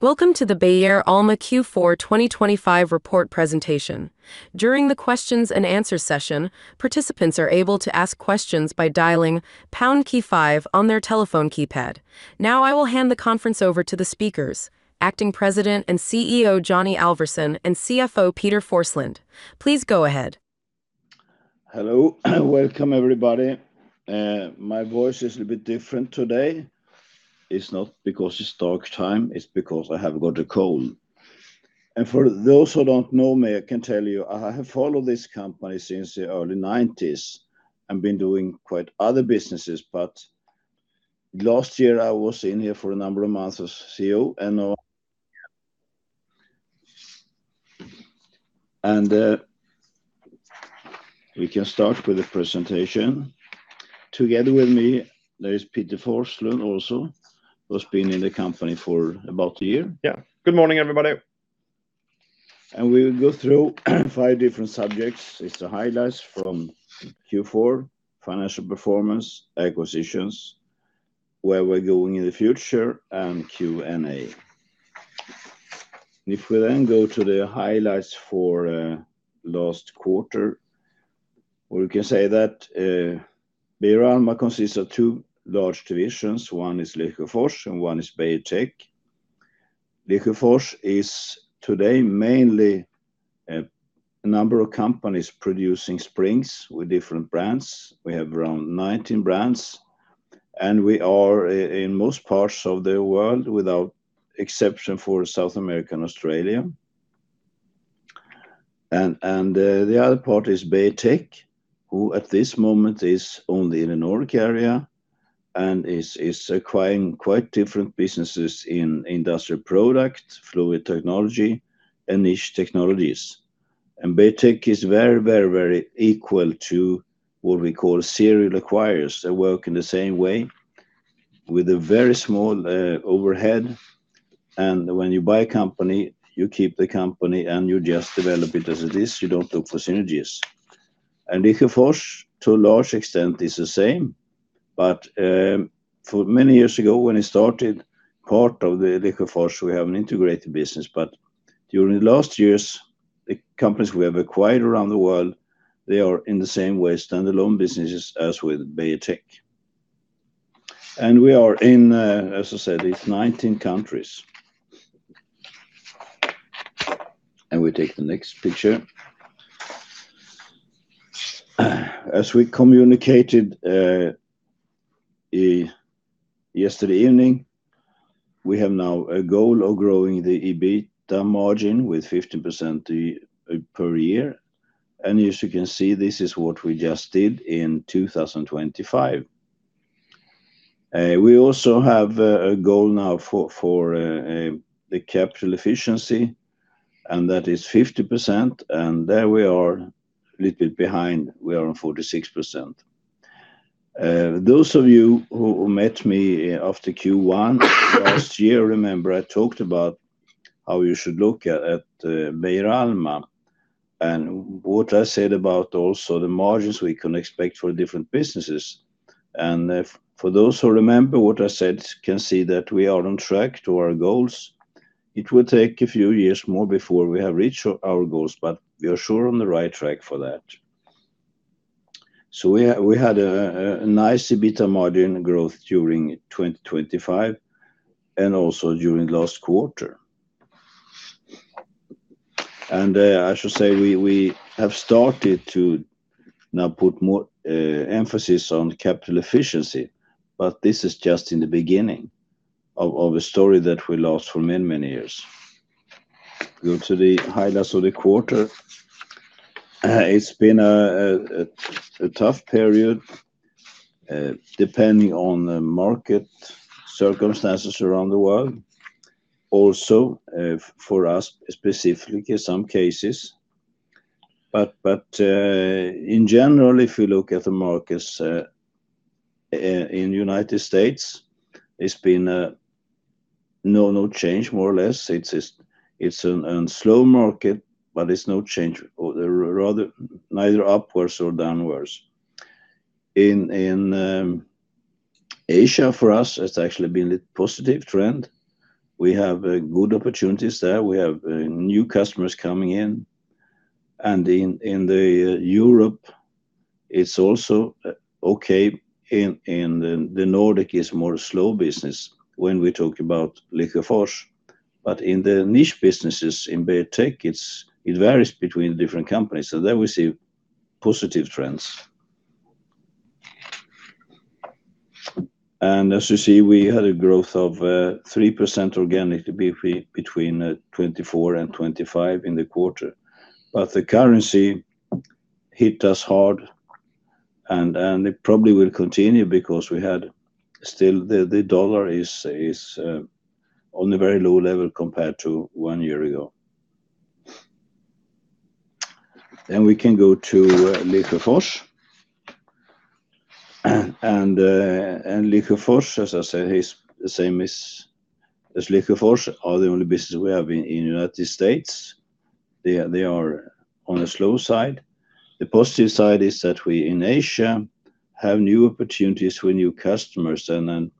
Welcome to the Beijer Alma Q4 2025 report presentation. During the questions and answer session, participants are able to ask questions by dialing pound key five on their telephone keypad. Now, I will hand the conference over to the speakers, Acting President and CEO, Johnny Alvarsson, and CFO, Peter Forslund. Please go ahead. Hello, and welcome, everybody. My voice is a little bit different today. It's not because it's dark time, it's because I have got a cold. And for those who don't know me, I can tell you, I have followed this company since the early nineties and been doing quite other businesses, but last year I was in here for a number of months as CEO, and now—and we can start with the presentation. Together with me, there is Peter Forslund also, who's been in the company for about a year. Yeah. Good morning, everybody. We will go through five different subjects. It's the highlights from Q4, financial performance, acquisitions, where we're going in the future, and Q&A. If we then go to the highlights for last quarter, we can say that Beijer Alma consists of two large divisions. One is Lesjöfors and one is Beijer Tech. Lesjöfors is today mainly a number of companies producing springs with different brands. We have around 19 brands, and we are in most parts of the world, without exception for South America and Australia. The other part is Beijer Tech, who at this moment is only in the Nordic area and is acquiring quite different businesses in industrial product, fluid technology, and niche technologies. Beijer Tech is very, very, very equal to what we call serial acquirers. They work in the same way with a very small overhead, and when you buy a company, you keep the company and you just develop it as it is, you don't look for synergies. Lesjöfors, to a large extent, is the same, but for many years ago, when it started, part of the Lesjöfors, we have an integrated business, but during the last years, the companies we have acquired around the world, they are in the same way, stand-alone businesses as with Beijer Tech. We are in, as I said, these 19 countries. We take the next picture. As we communicated yesterday evening, we have now a goal of growing the EBITDA margin with 50% the per year. As you can see, this is what we just did in 2025. We also have a goal now for the capital efficiency, and that is 50%, and there we are a little bit behind. We are on 46%. Those of you who met me after Q1 last year, remember I talked about how you should look at Beijer Alma and what I said about also the margins we can expect for different businesses. And if for those who remember what I said, can see that we are on track to our goals. It will take a few years more before we have reached our goals, but we are sure on the right track for that. So we had a nice EBITDA margin growth during 2025 and also during last quarter. I should say we have started to now put more emphasis on capital efficiency, but this is just in the beginning of a story that we lost for many, many years. Go to the highlights of the quarter. It's been a tough period depending on the market circumstances around the world. Also, for us, specifically in some cases, but in general, if you look at the markets, in United States, it's been no change, more or less. It's a slow market, but it's no change or rather neither upwards or downwards. In Asia, for us, it's actually been a positive trend. We have good opportunities there. We have new customers coming in, and in Europe, it's also okay. In the Nordic is more slow business when we talk about Lesjöfors, but in the niche businesses, in Beijer Tech, it varies between different companies, so there we see positive trends. And as you see, we had a growth of 3% organic between 2024 and 2025 in the quarter, but the currency hit us hard, and it probably will continue because we had. Still, the US dollar is on a very low level compared to one year ago. Then we can go to Lesjöfors. And Lesjöfors, as I said, is the same as Lesjöfors, are the only business we have in United States. They are on the slow side. The positive side is that we in Asia have new opportunities for new customers, and then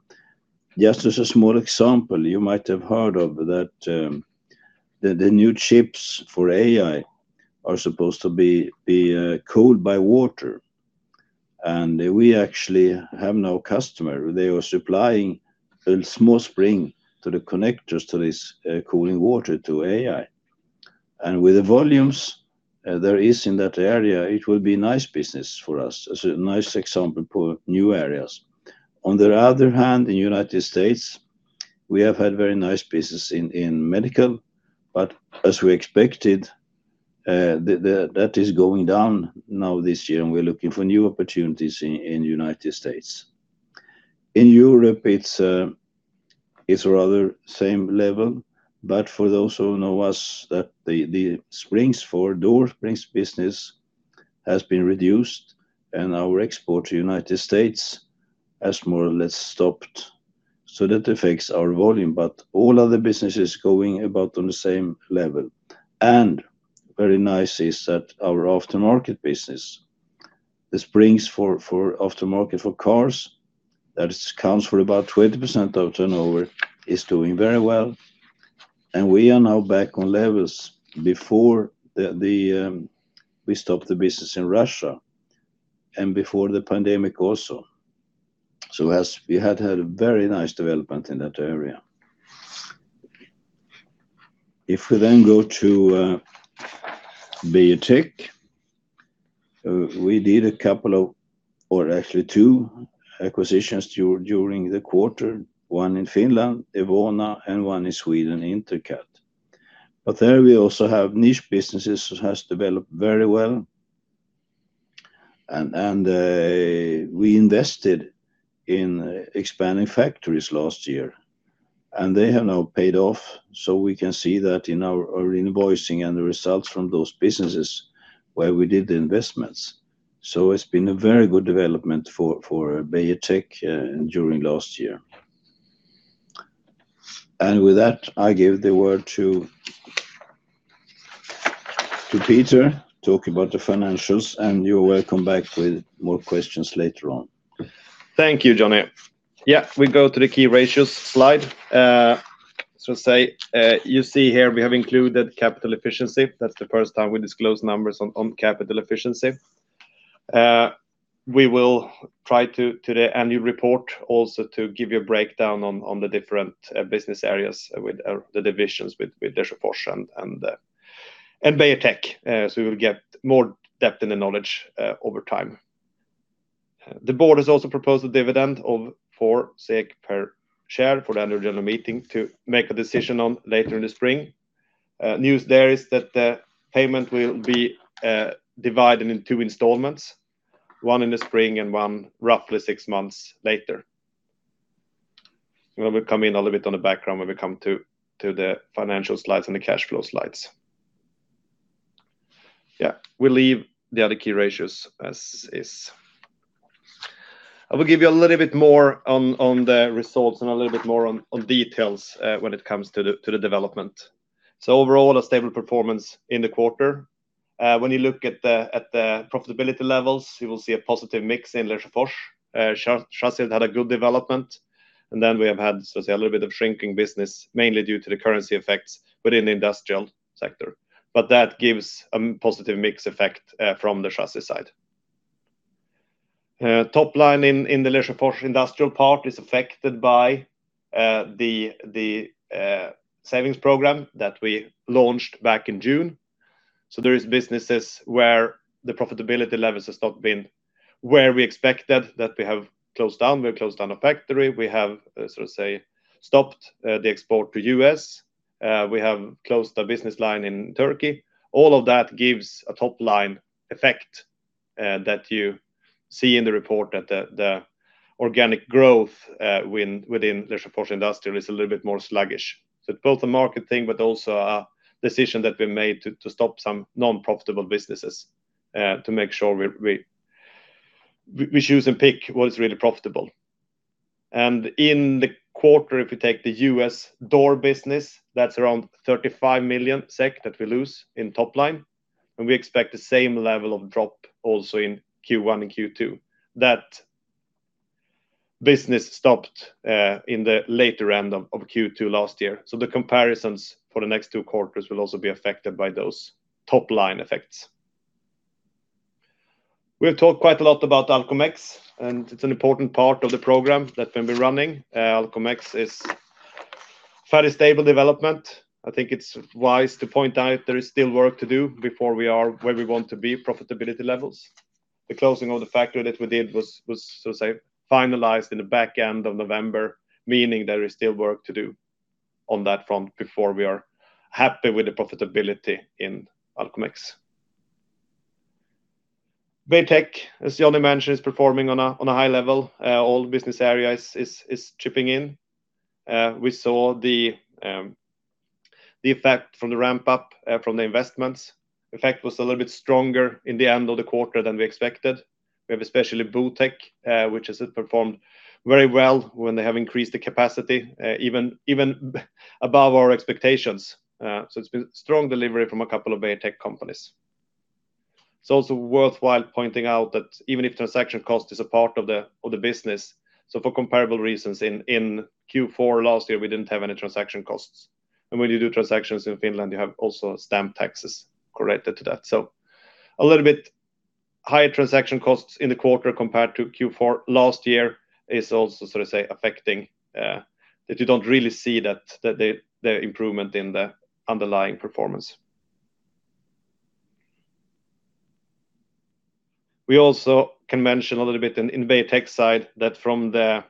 just as a small example, you might have heard of that, the new chips for AI are supposed to be cooled by water, and we actually have new customer. They are supplying a small spring to the connectors, to this cooling water to AI. And with the volumes there is in that area, it will be nice business for us, as a nice example for new areas. On the other hand, in United States, we have had very nice business in medical, but as we expected, that is going down now this year, and we're looking for new opportunities in United States. In Europe, it's rather same level, but for those who know us, that the springs for door springs business has been reduced, and our export to United States has more or less stopped. So that affects our volume, but all other business is going about on the same level. And very nice is that our aftermarket business, the springs for aftermarket for cars, that accounts for about 20% of turnover, is doing very well, and we are now back on levels before we stopped the business in Russia and before the pandemic also. So as we had had a very nice development in that area. If we then go to Beijer Tech, we did a couple of or actually two acquisitions during the quarter, one in Finland, Ewona, and one in Sweden, Intercut. There we also have niche businesses, which has developed very well. We invested in expanding factories last year, and they have now paid off, so we can see that in our invoicing and the results from those businesses where we did the investments. So it's been a very good development for Beijer Tech during last year. With that, I give the word to Peter, talk about the financials, and you're welcome back with more questions later on. Thank you, Johnny. Yeah, we go to the key ratios slide. So say, you see here we have included capital efficiency. That's the first time we disclose numbers on capital efficiency. We will try to the annual report also to give you a breakdown on the different business areas with the divisions with Lesjöfors and Beijer Tech, so we will get more depth in the knowledge over time. The board has also proposed a dividend of 4 SEK per share for the annual general meeting to make a decision on later in the spring. News there is that the payment will be divided in two installments, one in the spring and one roughly six months later. Well, we come in a little bit on the background when we come to the financial slides and the cash flow slides. Yeah, we leave the other key ratios as is. I will give you a little bit more on the results and a little bit more on details when it comes to the development. So overall, a stable performance in the quarter. When you look at the profitability levels, you will see a positive mix in Lesjöfors. Chassis had a good development, and then we have had, so say, a little bit of shrinking business, mainly due to the currency effects within the industrial sector. But that gives a positive mix effect from the Chassis side. Top-line in the Lesjöfors industrial part is affected by the savings program that we launched back in June. So there is businesses where the profitability levels has not been where we expected, that we have closed down. We have closed down a factory. We have, so to say, stopped the export to U.S. We have closed a business line in Turkey. All of that gives a top-line effect that you see in the report, that the organic growth within Lesjöfors Industrial is a little bit more sluggish. So both a market thing, but also a decision that we made to stop some non-profitable businesses to make sure we choose and pick what is really profitable. In the quarter, if you take the U.S. door business, that's around 35 million SEK that we lose in top line, and we expect the same level of drop also in Q1 and Q2. That business stopped in the later end of Q2 last year. So the comparisons for the next two quarters will also be affected by those top-line effects. We have talked quite a lot about Alcomex, and it's an important part of the program that we'll be running. Alcomex is fairly stable development. I think it's wise to point out there is still work to do before we are where we want to be profitability levels. The closing of the factory that we did was so to say finalized in the back end of November, meaning there is still work to do on that front before we are happy with the profitability in Alcomex. Beijer Tech, as Johnny mentioned, is performing on a high level. All business areas is chipping in. We saw the effect from the ramp up from the investments. The effect was a little bit stronger in the end of the quarter than we expected. We have especially Botek, which has performed very well when they have increased the capacity even above our expectations. So it's been strong delivery from a couple of Botek companies. It's also worthwhile pointing out that even if transaction cost is a part of the business, so for comparable reasons, in Q4 last year, we didn't have any transaction costs. And when you do transactions in Finland, you have also stamp taxes corrected to that. So a little bit higher transaction costs in the quarter compared to Q4 last year is also, so to say, affecting that you don't really see the improvement in the underlying performance. We also can mention a little bit on the Botek side, that from the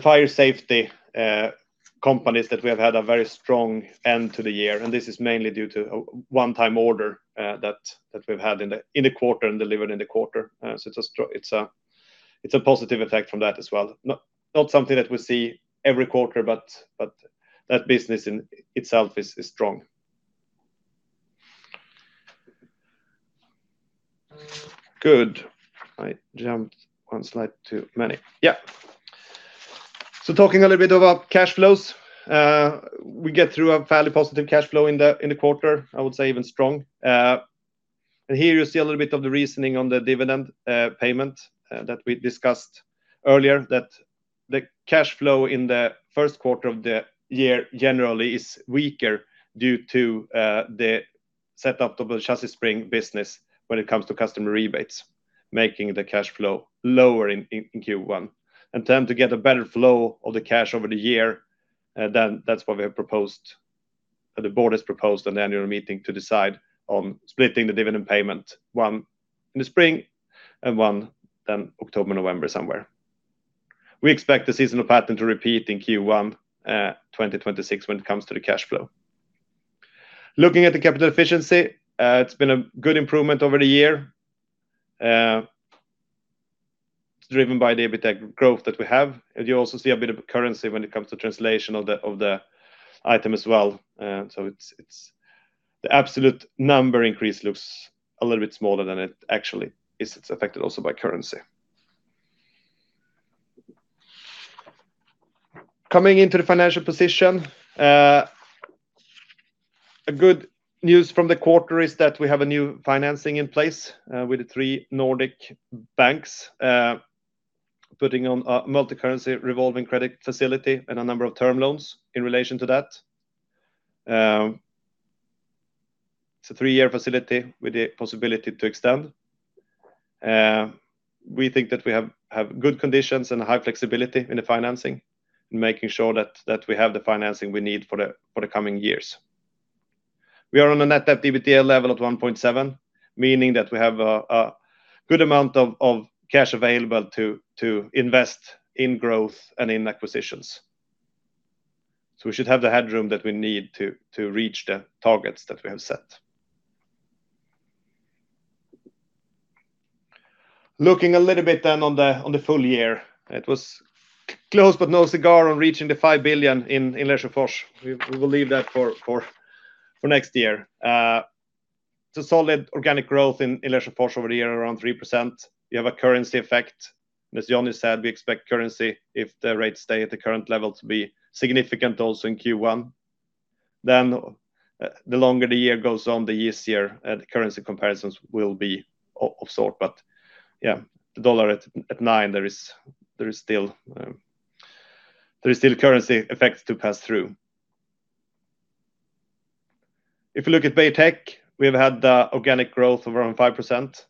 fire safety companies, that we have had a very strong end to the year, and this is mainly due to a one-time order that we've had in the quarter and delivered in the quarter. So it's a positive effect from that as well. Not something that we see every quarter, but that business in itself is strong. Good. I jumped one slide too many. Yeah. So talking a little bit about cash flows. We get through a fairly positive cash flow in the quarter, I would say even strong. And here you see a little bit of the reasoning on the dividend payment that we discussed earlier, that the cash flow in the first quarter of the year generally is weaker due to the setup of the Chassis Springs business when it comes to customer rebates, making the cash flow lower in Q1. To get a better flow of the cash over the year, then that's what we have proposed, the board has proposed an annual meeting to decide on splitting the dividend payment, one in the spring and one then October, November, somewhere. We expect the seasonal pattern to repeat in Q1 2026 when it comes to the cash flow. Looking at the capital efficiency, it's been a good improvement over the year. It's driven by the Botek growth that we have, and you also see a bit of a currency when it comes to translation of the item as well. So it's the absolute number increase looks a little bit smaller than it actually is. It's affected also by currency. Coming into the financial position, a good news from the quarter is that we have a new financing in place, with the three Nordic banks, putting on a multicurrency revolving credit facility and a number of term loans in relation to that. It's a three-year facility with the possibility to extend. We think that we have good conditions and high flexibility in the financing, making sure that we have the financing we need for the coming years. We are on a net activity level of 1.7, meaning that we have a good amount of cash available to invest in growth and in acquisitions. So we should have the headroom that we need to reach the targets that we have set. Looking a little bit then on the full year, it was close, but no cigar on reaching the 5 billion in Lesjöfors. We will leave that for next year. It's a solid organic growth in Lesjöfors over the year, around 3%. You have a currency effect. As Johnny said, we expect currency if the rates stay at the current level to be significant also in Q1. Then, the longer the year goes on, the easier currency comparisons will be of sorts. But, yeah, the U.S. dollar at 9, there is still currency effects to pass through. If you look at Botek, we've had the organic growth of around 5%.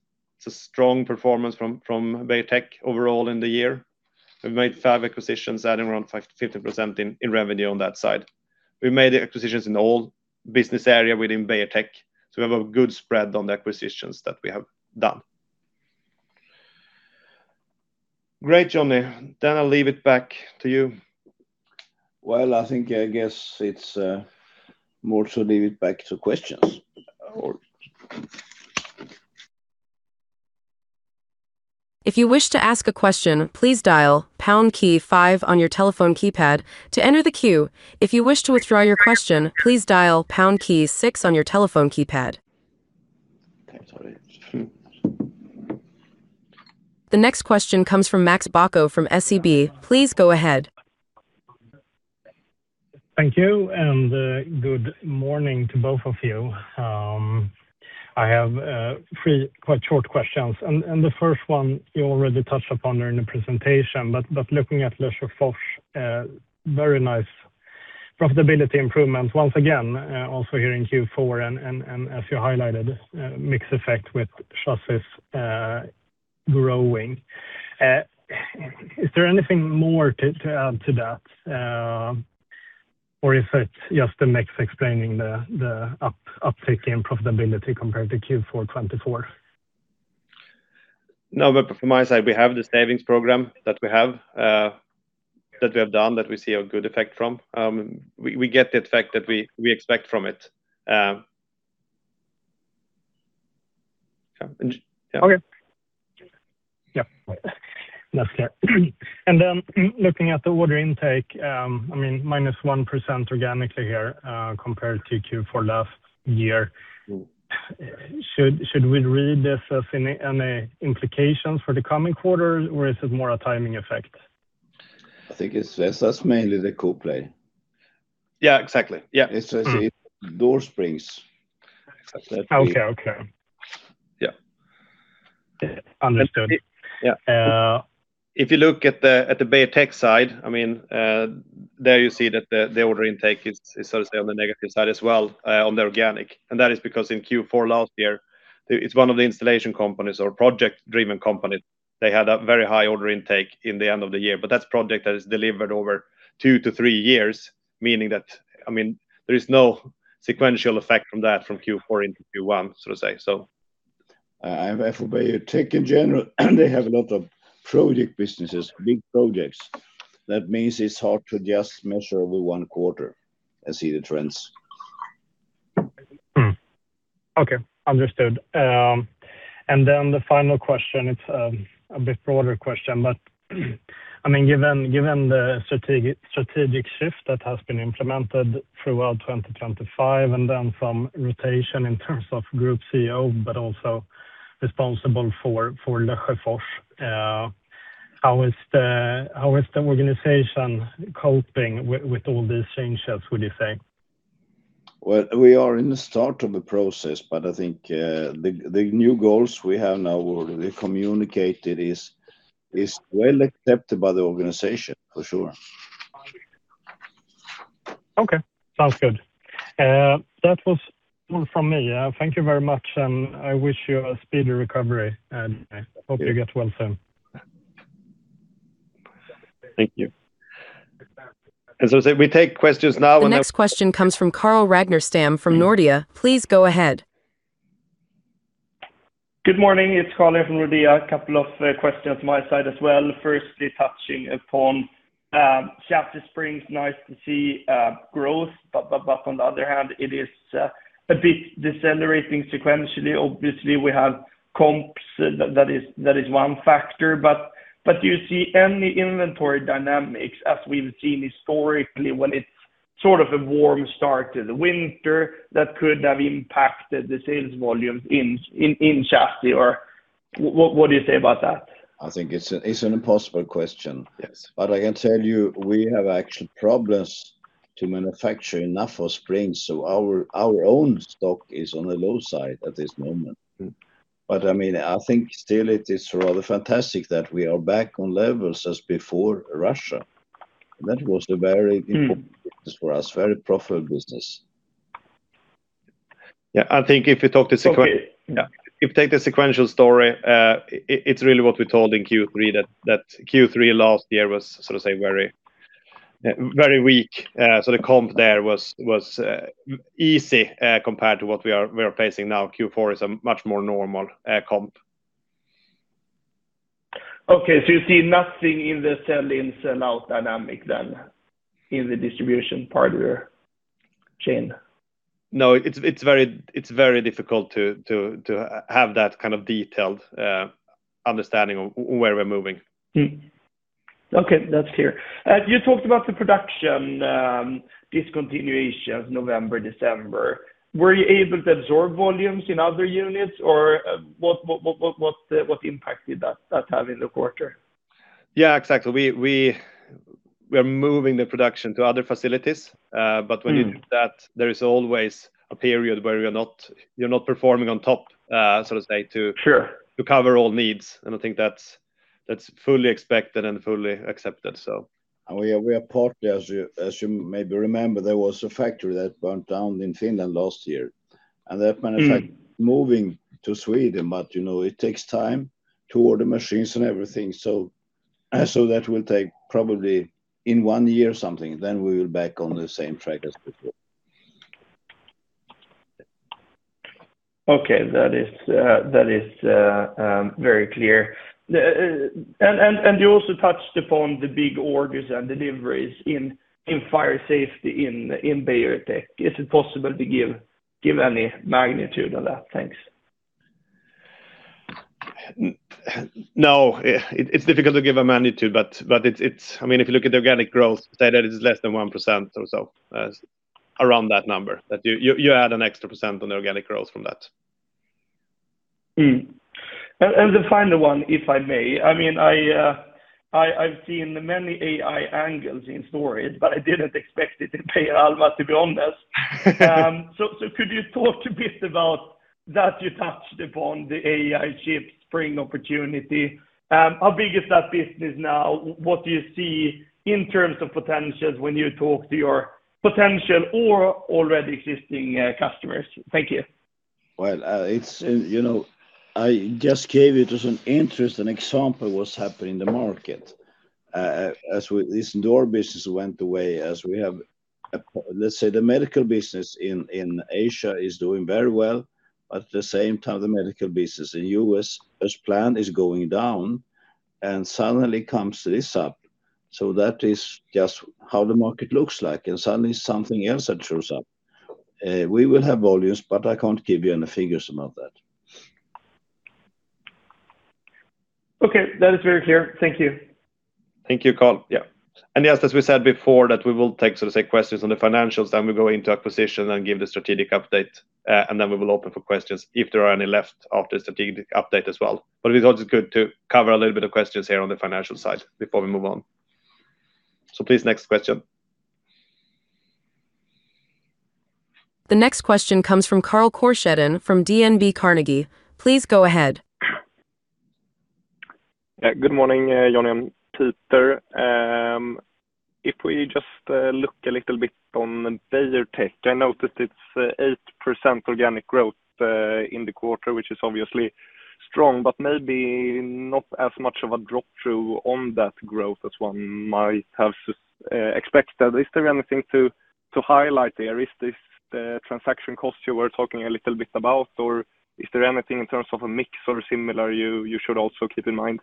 It's a strong performance from Botek overall in the year. We've made five acquisitions, adding around 50% in revenue on that side. We made the acquisitions in all business area within Botek, so we have a good spread on the acquisitions that we have done. Great, Johnny. Then I'll leave it back to you. Well, I think, I guess it's more to leave it back to questions. If you wish to ask a question, please dial pound key five on your telephone keypad to enter the queue. If you wish to withdraw your question, please dial pound key six on your telephone keypad. The next question comes from Max Bacco from SEB. Please go ahead. Thank you, and good morning to both of you. I have three quite short questions, and the first one you already touched upon during the presentation, but looking at Lesjöfors, very nice profitability improvement once again, also here in Q4, and as you highlighted, mixed effect with Chassis growing. Is there anything more to add to that, or is it just the mix explaining the upstate in profitability compared to Q4 2024? No, but from my side, we have the savings program that we have, that we have done, that we see a good effect from. We get the effect that we expect from it. Yeah. Okay. Yep, that's clear. And then looking at the order intake, I mean, -1% organically here, compared to Q4 last year. Should we read this as any implications for the coming quarters, or is it more a timing effect? I think it's, that's mainly the cool play. Yeah, exactly. Yeah. It's door springs. Okay. Yeah. Understood. Yeah. If you look at the Beijer Tech side, I mean, there you see that the order intake is sort of, say, on the negative side as well, on the organic. And that is because in Q4 last year, it's one of the installation companies or project-driven company. They had a very high order intake in the end of the year, but that's project that is delivered over two to three years, meaning that, I mean, there is no sequential effect from that, from Q4 into Q1, so to say, so. For Beijer Tech in general, they have a lot of project businesses, big projects. That means it's hard to just measure over one quarter and see the trends. Okay, understood. And then the final question, it's a bit broader question, but, I mean, given the strategic shift that has been implemented throughout 2025, and then from rotation in terms of group CEO, but also responsible for the Lesjöfors, how is the organization coping with all these changes, would you say? Well, we are in the start of the process, but I think, the new goals we have now were communicated is well accepted by the organization, for sure. Okay, sounds good. That was all from me. Thank you very much, and I wish you a speedy recovery, and I hope you get well soon. Thank you. As I said, we take questions now and then- The next question comes from Carl Ragnerstam from Nordea. Please go ahead. Good morning. It's Carl from Nordea. A couple of questions my side as well. Firstly, touching upon chassis springs, nice to see growth, but, but, but on the other hand, it is a bit decelerating sequentially. Obviously, we have comps that is one factor, but, but do you see any inventory dynamics as we've seen historically when it's sort of a warm start to the winter that could have impacted the sales volumes in chassis? Or what do you say about that? I think it's an impossible question. Yes. But I can tell you, we have actual problems to manufacture enough springs, so our, our own stock is on the low side at this moment. But, I mean, I think still it is rather fantastic that we are back on levels as before Russia. That was a very important- Business for us, very profitable business. Yeah, I think if you talk the sequent- Okay, yeah. If you take the sequential story, it, it's really what we told in Q3, that Q3 last year was, so to say, very, very weak. So the comp there was easy, compared to what we are facing now. Q4 is a much more normal comp. Okay, so you see nothing in the sell in, sell out dynamic then, in the distribution part of your chain? No, it's very difficult to have that kind of detailed understanding of where we're moving. Okay, that's clear. You talked about the production discontinuation of November, December. Were you able to absorb volumes in other units, or what impact did that have in the quarter? Yeah, exactly. We're moving the production to other facilities. But when you do that, there is always a period where you're not, you're not performing on top, so to say, to- Sure... to cover all needs, and I think that's, that's fully expected and fully accepted, so. We are partly, as you maybe remember, there was a factory that burned down in Finland last year, and that manufacture- moving to Sweden, but, you know, it takes time to order machines and everything. So, so that will take probably in one year or something, then we will back on the same track as before. Okay. That is very clear. And you also touched upon the big orders and deliveries in fire safety in Beijer Tech. Is it possible to give any magnitude on that? Thanks. No, it's difficult to give a magnitude, but it's... I mean, if you look at the organic growth, say that it is less than 1% or so, around that number, that you add an extra 1% on the organic growth from that. And the final one, if I may. I mean, I've seen many AI angles in stories, but I didn't expect it in Beijer Alma, to be honest. So could you talk a bit about that? You touched upon the AI chip spring opportunity. How big is that business now? What do you see in terms of potentials when you talk to your potential or already existing customers? Thank you. Well, it's, you know, I just gave it as an interesting example what's happening in the market. As we, this door business went away, as we have, let's say, the medical business in, in Asia is doing very well. At the same time, the medical business in U.S., as planned, is going down, and suddenly comes this up... So that is just how the market looks like, and suddenly something else that shows up. We will have volumes, but I can't give you any figures about that. Okay, that is very clear. Thank you. Thank you, Carl. Yeah. And yes, as we said before, that we will take, so to say, questions on the financials, then we go into acquisition and give the strategic update, and then we will open for questions if there are any left after the strategic update as well. But it is also good to cover a little bit of questions here on the financial side before we move on. So please, next question. The next question comes from Carl Korsheden from DNB Carnegie. Please go ahead. Yeah. Good morning, Johnny and Peter. If we just look a little bit on the Beijer Tech, I noticed it's 8% organic growth in the quarter, which is obviously strong, but maybe not as much of a drop-through on that growth as one might have expected. Is there anything to highlight there? Is this the transaction cost you were talking a little bit about, or is there anything in terms of a mix or similar you should also keep in mind?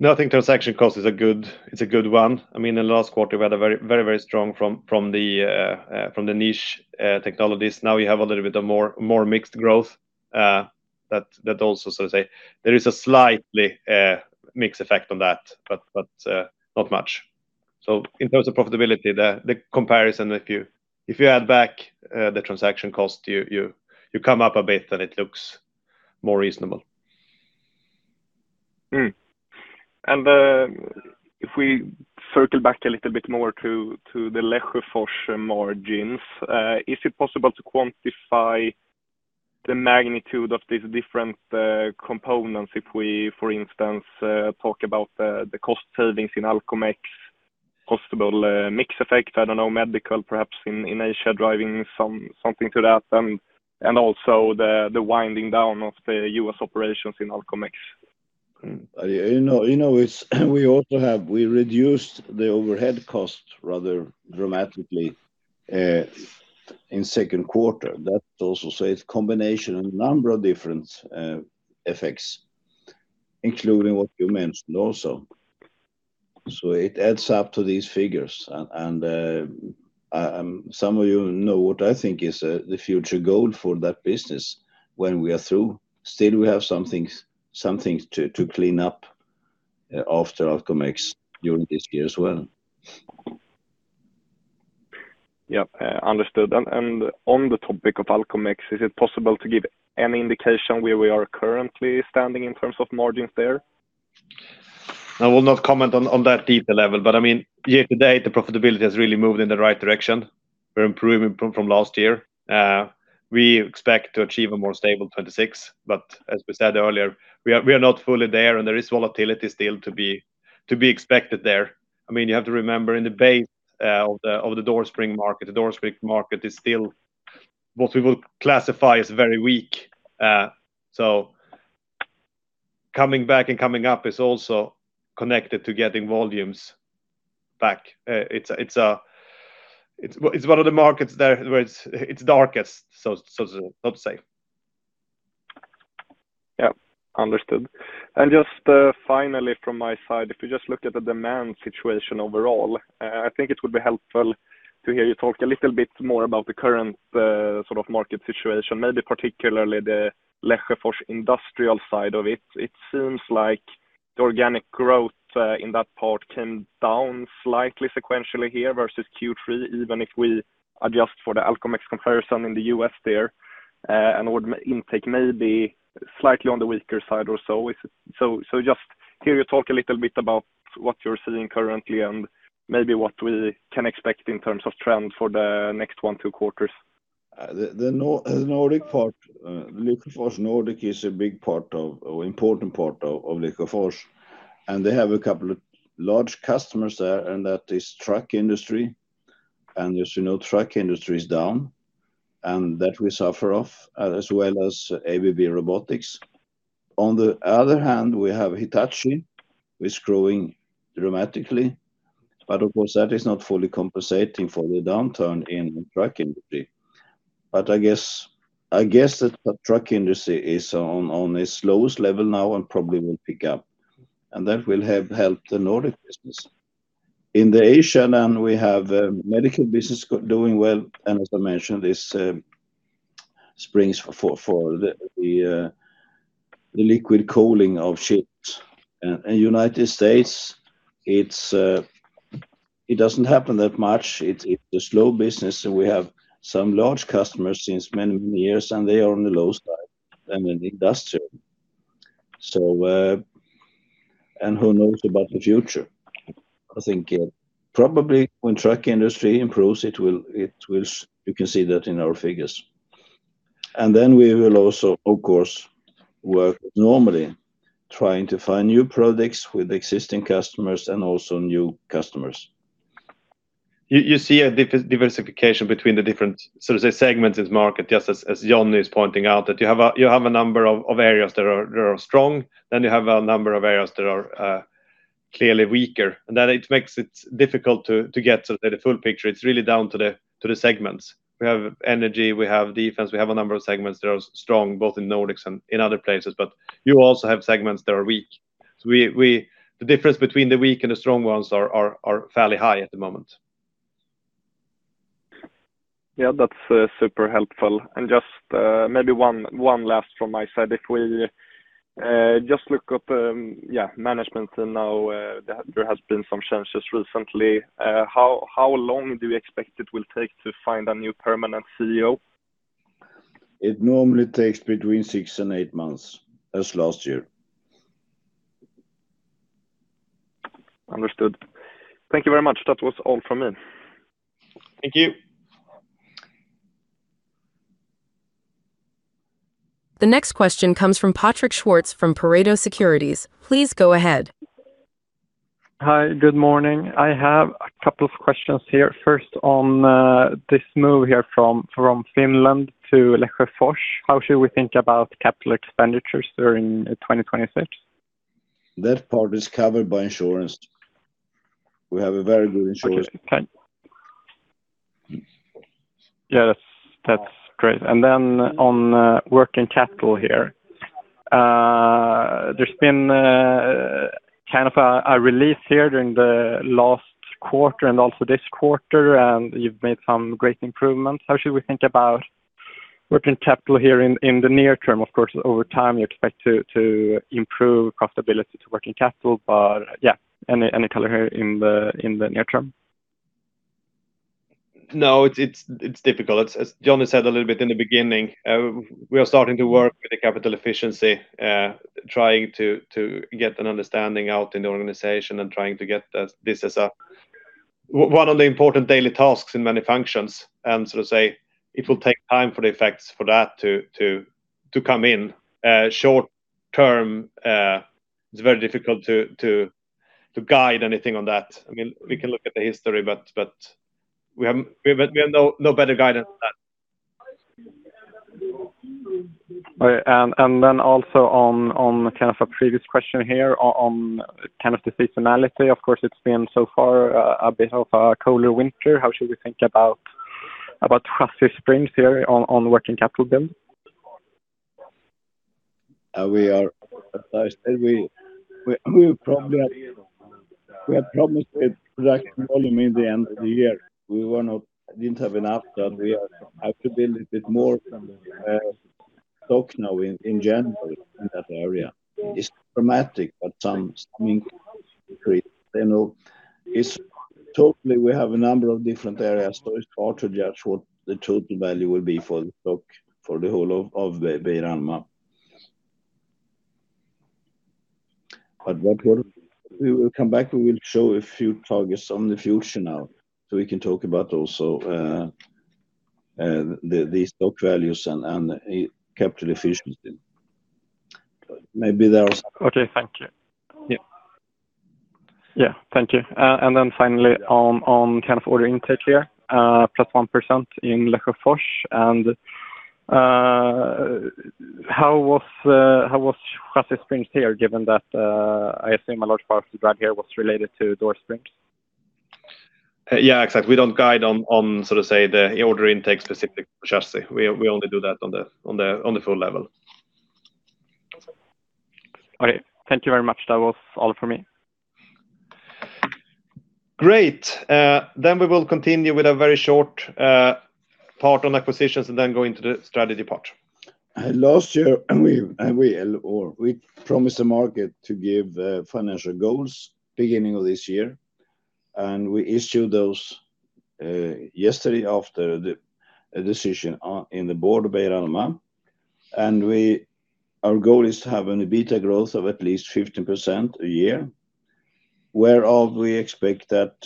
No, I think transaction cost is a good one. It's a good one. I mean, in the last quarter, we had a very, very, very strong from the Niche Technologies. Now we have a little bit more mixed growth, that also so to say. There is a slightly mix effect on that, but not much. So in terms of profitability, the comparison, if you add back the transaction cost, you come up a bit, and it looks more reasonable. Hmm. And, if we circle back a little bit more to the Lesjöfors margins, is it possible to quantify the magnitude of these different components if we, for instance, talk about the cost savings in Alcomex, possible mix effect, I don't know, medical, perhaps in Asia, driving something to that, and also the winding down of the U.S. operations in Alcomex? You know, you know, it's. We also have we reduced the overhead cost rather dramatically in second quarter. That also say it's a combination, a number of different effects, including what you mentioned also. So it adds up to these figures. And some of you know what I think is the future goal for that business when we are through. Still, we have some things, some things to clean up after Alcomex during this year as well. Yeah, understood. And on the topic of Alcomex, is it possible to give any indication where we are currently standing in terms of margins there? I will not comment on that detail level, but I mean, year to date, the profitability has really moved in the right direction. We're improving from last year. We expect to achieve a more stable 26, but as we said earlier, we are not fully there, and there is volatility still to be expected there. I mean, you have to remember, in the base of the door spring market, the door spring market is still what we will classify as very weak. So coming back and coming up is also connected to getting volumes back. It's one of the markets there where it's darkest, so to, let's say. Yeah, understood. And just, finally, from my side, if you just looked at the demand situation overall, I think it would be helpful to hear you talk a little bit more about the current, sort of market situation, maybe particularly the Lesjöfors industrial side of it. It seems like the organic growth, in that part came down slightly sequentially here versus Q3, even if we adjust for the Alcomex comparison in the U.S. there, and order intake may be slightly on the weaker side or so. So, just hear you talk a little bit about what you're seeing currently and maybe what we can expect in terms of trend for the next one, two quarters. The Nordic part, Lesjöfors Nordic is a big part of, or important part of, Lesjöfors, and they have a couple of large customers there, and that is truck industry. And as you know, truck industry is down, and that we suffer off, as well as ABB Robotics. On the other hand, we have Hitachi, which is growing dramatically, but of course, that is not fully compensating for the downturn in the truck industry. But I guess, I guess that the truck industry is on, on its lowest level now and probably will pick up, and that will help, help the Nordic business. In the Asian, and we have, medical business doing well, and as I mentioned, this, springs for, for, for the, the, the liquid cooling of chips. In United States, it's, it doesn't happen that much. It's a slow business, and we have some large customers since many, many years, and they are on the low side than in the industrial. So, and who knows about the future? I think, probably when truck industry improves, it will... You can see that in our figures. And then we will also, of course, work normally, trying to find new products with existing customers and also new customers. You see a diversification between the different, so to say, segments in the market, just as Johnny is pointing out, that you have a number of areas that are strong, then you have a number of areas that are clearly weaker, and that it makes it difficult to get to the full picture. It's really down to the segments. We have energy, we have defense, we have a number of segments that are strong, both in Nordics and in other places, but you also have segments that are weak. So the difference between the weak and the strong ones are fairly high at the moment. Yeah, that's super helpful. And just maybe one last from my side. If we just look up, yeah, management and now there has been some changes recently. How long do you expect it will take to find a new permanent CEO? It normally takes between six and eight months, as last year. Understood. Thank you very much. That was all from me. Thank you. The next question comes from Patrick Schwartz from Pareto Securities. Please go ahead. Hi, good morning. I have a couple of questions here. First on, this move here from Finland to Lesjöfors. How should we think about capital expenditures during 2026? That part is covered by insurance. We have a very good insurance. Okay, thank you. Yeah, that's, that's great. And then on working capital here. There's been kind of a release here during the last quarter and also this quarter, and you've made some great improvements. How should we think about working capital here in the near term? Of course, over time, you expect to improve profitability to working capital, but yeah, any color here in the near term? No, it's difficult. As Johnny said a little bit in the beginning, we are starting to work with the capital efficiency, trying to get an understanding out in the organization and trying to get this as one of the important daily tasks in many functions. And so to say, it will take time for the effects of that to come in. Short term, it's very difficult to guide anything on that. I mean, we can look at the history, but we have no better guidance than that. Okay. And then also on kind of a previous question here on kind of the seasonality. Of course, it's been so far a bit of a colder winter. How should we think about chassis springs here on working capital build? We have problems with volume in the end of the year. We didn't have enough that we have to build a bit more stock now in general in that area. It's dramatic, but some increase. You know, it's totally we have a number of different areas, so it's hard to judge what the total value will be for the stock, for the whole of the Beijer Alma. But what we will come back, we will show a few targets on the future now, so we can talk about also the stock values and capital efficiency. Maybe there are- Okay, thank you. Yeah. Yeah. Thank you. And then finally, on kind of order intake here, +1% in Lesjöfors, and how was chassis springs here, given that I assume a large part of the drive here was related to door springs? Yeah, exactly. We don't guide on, so to say, the order intake specific chassis. We only do that on the full level. Okay. Thank you very much. That was all for me. Great. Then we will continue with a very short part on acquisitions and then go into the strategy part. Last year, we promised the market to give financial goals beginning of this year, and we issued those yesterday after the decision on, in the board Beijer Alma. And our goal is to have an EBITDA growth of at least 15% a year, where all we expect that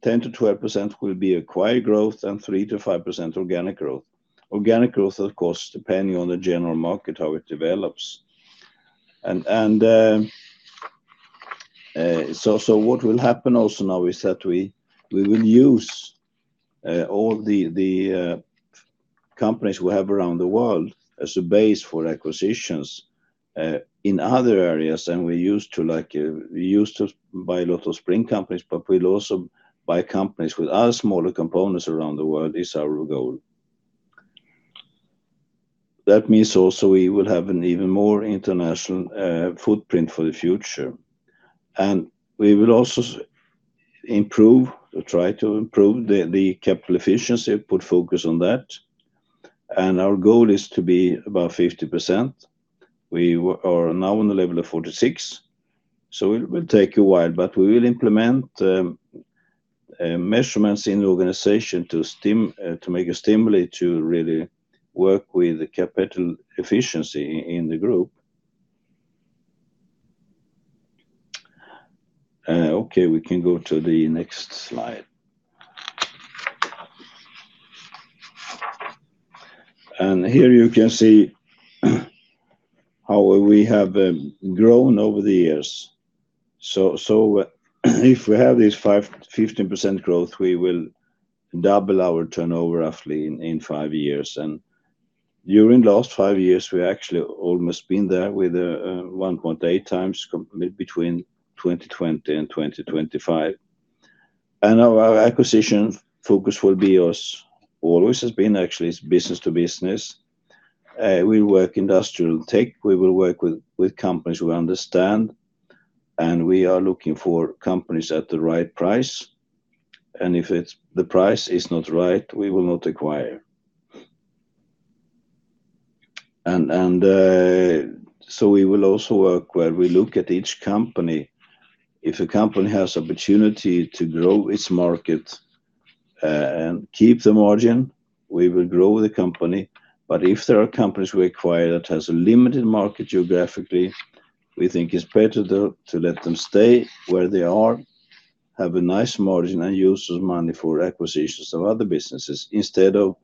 ten to twelve percent will be acquired growth and three to five percent organic growth. Organic growth, of course, depending on the general market, how it develops. And so what will happen also now is that we will use all the companies we have around the world as a base for acquisitions in other areas. And we used to buy a lot of spring companies, but we'll also buy companies with other smaller components around the world, is our goal. That means also we will have an even more international footprint for the future. And we will also improve or try to improve the capital efficiency, put focus on that. And our goal is to be about 50%. We are now on the level of 46, so it will take a while, but we will implement measurements in the organization to make a stimuli to really work with the capital efficiency in the group. Okay, we can go to the next slide. And here you can see how we have grown over the years. So if we have this 15% growth, we will double our turnover roughly in five years. During the last five years, we actually almost been there with 1.8 times between 2020 and 2025. Our acquisition focus will be, as always has been actually, is business to business. We work industrial tech, we will work with companies we understand. We are looking for companies at the right price, and if it's the price is not right, we will not acquire. So we will also work where we look at each company. If a company has opportunity to grow its market and keep the margin, we will grow the company. But if there are companies we acquire that has a limited market geographically, we think it's better to let them stay where they are, have a nice margin, and use the money for acquisitions of other businesses instead of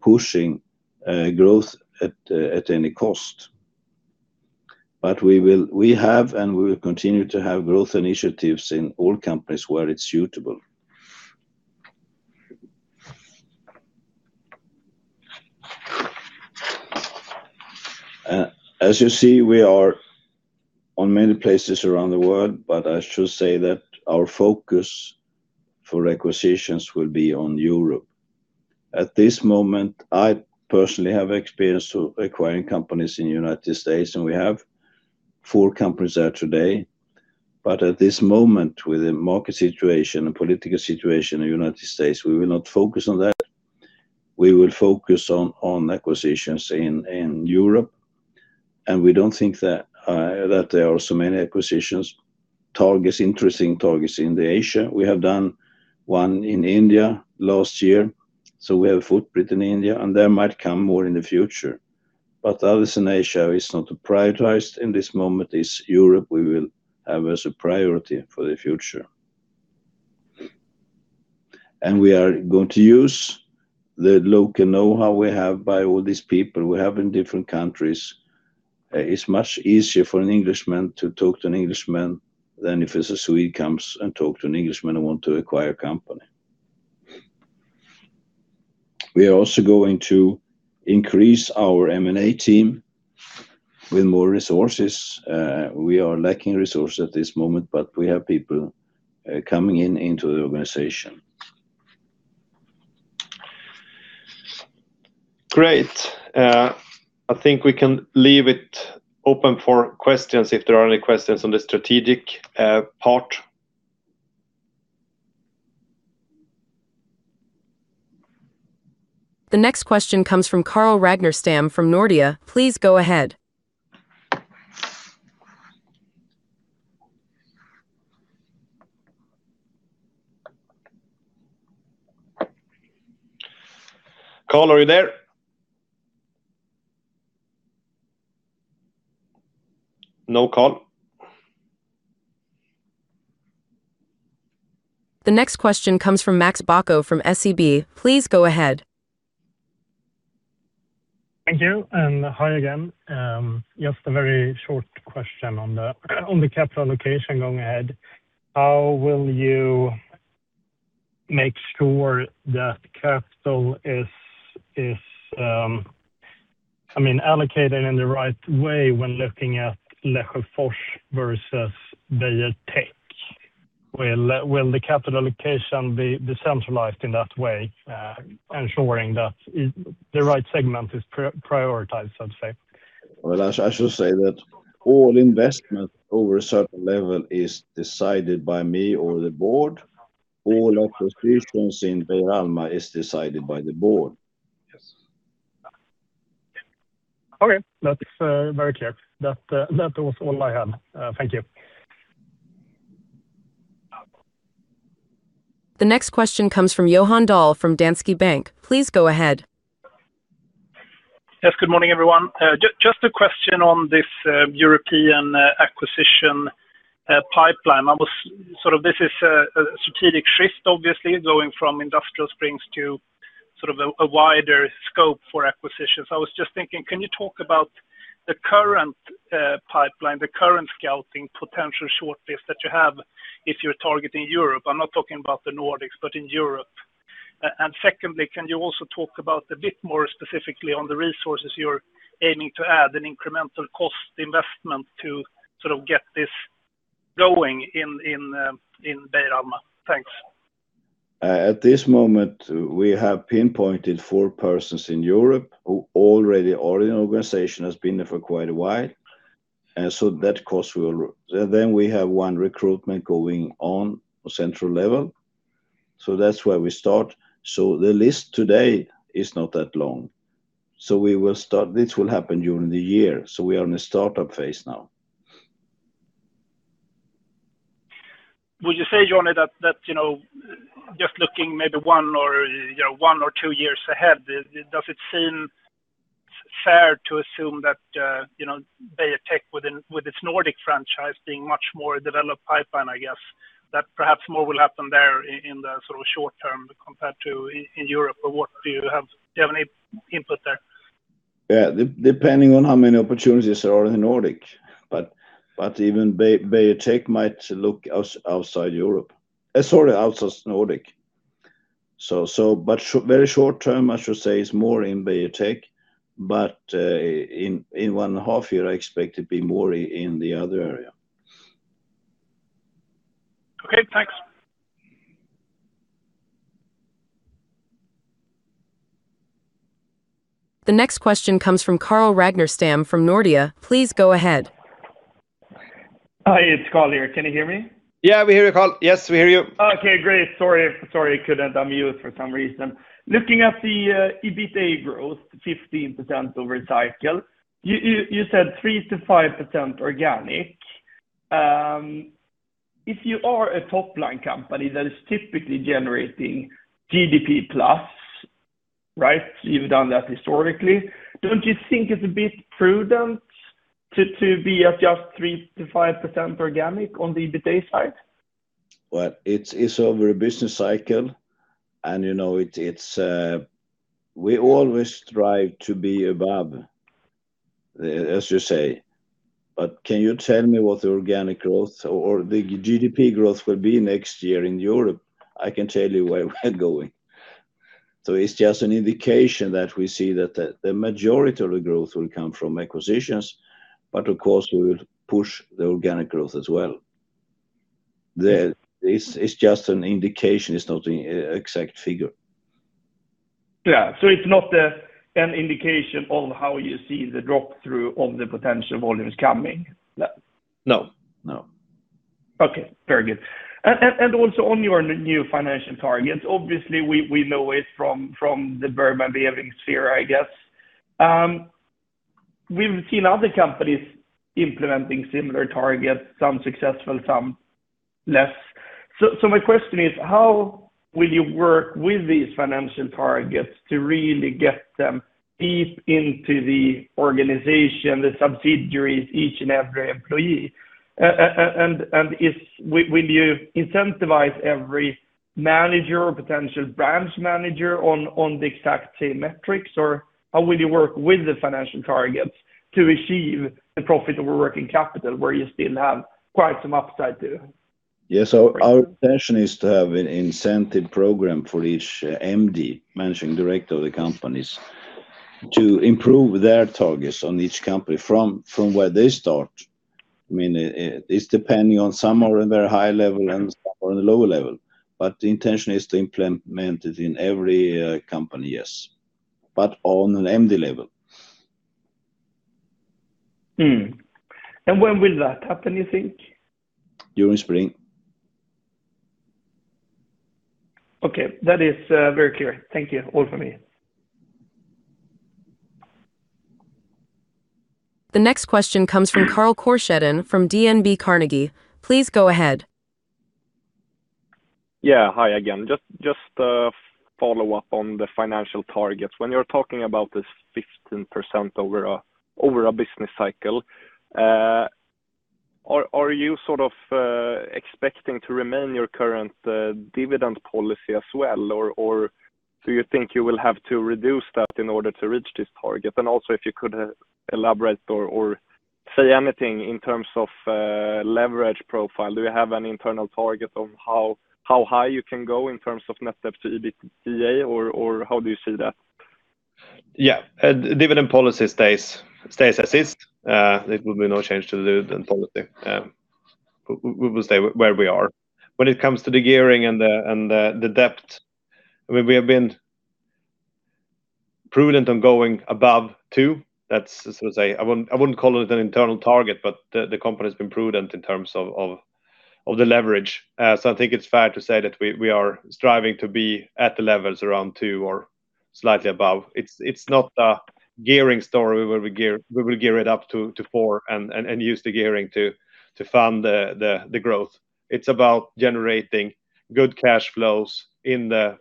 pushing growth at any cost. But we will—we have, and we will continue to have growth initiatives in all companies where it's suitable. As you see, we are on many places around the world, but I should say that our focus for acquisitions will be on Europe. At this moment, I personally have experience of acquiring companies in United States, and we have four companies there today. But at this moment, with the market situation and political situation in the United States, we will not focus on that. We will focus on acquisitions in Europe, and we don't think that there are so many acquisition targets, interesting targets in Asia. We have done one in India last year, so we have a footprint in India, and there might come more in the future. But others in Asia is not prioritized. In this moment, it's Europe we will have as a priority for the future. And we are going to use the local know-how we have by all these people we have in different countries. It's much easier for an Englishman to talk to an Englishman than if it's a Swede comes and talk to an Englishman and want to acquire a company. We are also going to increase our M&A team with more resources. We are lacking resource at this moment, but we have people coming in into the organization. Great! I think we can leave it open for questions, if there are any questions on the strategic part. The next question comes from Carl Ragnerstam from Nordea. Please go ahead. Carl, are you there? No Carl. The next question comes from Max Bacco from SEB. Please go ahead. Thank you, and hi again. Just a very short question on the capital allocation going ahead. How will you make sure that capital is allocated in the right way when looking at Lesjöfors versus Beijer Tech? Will the capital allocation be decentralized in that way, ensuring that it... The right segment is prioritized, I'd say? Well, I should say that all investment over a certain level is decided by me or the board. All acquisitions in Beijer Alma is decided by the board. Yes. Okay, that's very clear. That, that was all I had. Thank you. The next question comes from Johan Dahl from Danske Bank. Please go ahead. Yes, good morning, everyone. Just a question on this European acquisition pipeline. This is a strategic shift, obviously, going from Industrial Springs to sort of a wider scope for acquisitions. I was just thinking, can you talk about the current pipeline, the current scouting potential shortlist that you have if you're targeting Europe? I'm not talking about the Nordics, but in Europe. And secondly, can you also talk about a bit more specifically on the resources you're aiming to add an incremental cost investment to sort of get this going in Beijer Alma? Thanks. At this moment, we have pinpointed four persons in Europe who already are in the organization, has been there for quite a while, and so that of course will... Then we have one recruitment going on a central level. So that's where we start. So the list today is not that long. So we will start, this will happen during the year, so we are in a startup phase now. Would you say, Johnny, that you know, just looking maybe one or two years ahead, does it seem fair to assume that you know, Beijer Tech with its Nordic franchise being much more a developed pipeline, I guess, that perhaps more will happen there in the sort of short term compared to in Europe? Or what do you have? Do you have any input there? Yeah. Depending on how many opportunities there are in the Nordic. But even Beijer Tech might look outside Europe, sorry, outside Nordic. So, but very short term, I should say, is more in Beijer Tech, but in one half year, I expect it to be more in the other area. Okay, thanks. The next question comes from Carl Ragnerstam from Nordea. Please go ahead. Hi, it's Carl here. Can you hear me? Yeah, we hear you, Carl. Yes, we hear you. Okay, great. Sorry, sorry, I couldn't unmute for some reason. Looking at the EBITDA growth, 15% over cycle, you said 3%-5% organic. If you are a top-line company that is typically generating GDP plus, right? You've done that historically. Don't you think it's a bit prudent to be at just 3%-5% organic on the EBITDA side? Well, it's over a business cycle, and, you know, we always strive to be above, as you say, but can you tell me what the organic growth or the GDP growth will be next year in Europe? I can tell you where we're going. So it's just an indication that we see that the majority of the growth will come from acquisitions, but of course, we will push the organic growth as well. This is just an indication; it's not an exact figure. Yeah. So it's not an indication of how you see the drop through on the potential volumes coming? No. No. Okay, very good. And also on your new financial targets, obviously, we know it from the Bermuda Triangle, I guess. We've seen other companies implementing similar targets, some successful, some less. So my question is, how will you work with these financial targets to really get them deep into the organization, the subsidiaries, each and every employee? And will you incentivize every manager or potential branch manager on the exact same metrics? Or how will you work with the financial targets to achieve profitability and working capital where you still have quite some upside to? Yeah, so our intention is to have an incentive program for each MD, managing director of the companies, to improve their targets on each company from where they start. I mean, it's depending on some are in very high level and some are in the lower level, but the intention is to implement it in every company, yes, but on an MD level. Hmm. And when will that happen, you think? During spring. Okay. That is, very clear. Thank you. All from me. The next question comes from Carl Korsheden from DNB Carnegie. Please go ahead. Yeah, hi again. Just, just, follow up on the financial targets. When you're talking about this 15% over a, over a business cycle, are, are you sort of, expecting to remain your current, dividend policy as well? Or, or do you think you will have to reduce that in order to reach this target? And also, if you could elaborate or, or say anything in terms of, leverage profile. Do you have an internal target on how, how high you can go in terms of net debt to EBITDA, or, or how do you see that? Yeah. Dividend policy stays as is. There will be no change to the dividend policy. We will stay where we are. When it comes to the gearing and the debt, I mean, we have been prudent on going above two. That's to say, I wouldn't call it an internal target, but the company's been prudent in terms of the leverage. So I think it's fair to say that we are striving to be at the levels around two or slightly above. It's not a gearing story where we will gear it up to four and use the gearing to fund the growth. It's about generating good cash flows in the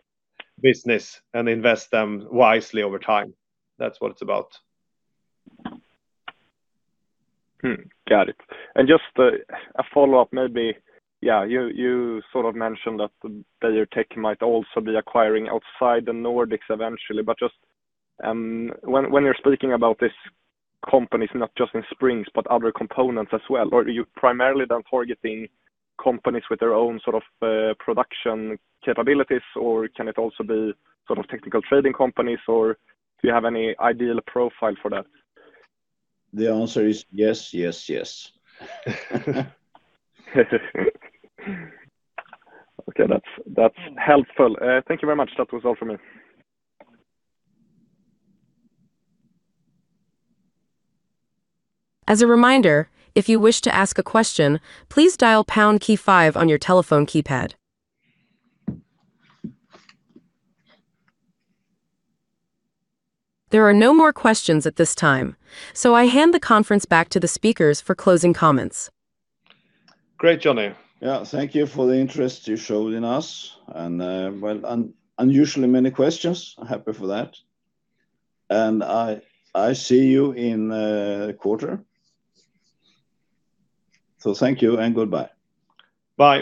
business and invest them wisely over time. That's what it's about. Got it. And just a follow-up, maybe... Yeah, you sort of mentioned that your tech might also be acquiring outside the Nordics eventually, but just, when you're speaking about these companies, not just in Springs, but other components as well, or you primarily done targeting companies with their own sort of production capabilities, or can it also be sort of technical trading companies, or do you have any ideal profile for that? The answer is yes, yes, yes. Okay, that's helpful. Thank you very much. That was all for me. As a reminder, if you wish to ask a question, please dial pound key five on your telephone keypad. There are no more questions at this time, so I hand the conference back to the speakers for closing comments. Great, Johnny. Yeah. Thank you for the interest you showed in us, and, well, unusually many questions. I'm happy for that. I see you in a quarter. So thank you and goodbye. Bye.